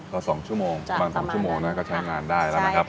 ก็๒ชั่วโมงก็ใช้งานได้แล้วนะครับ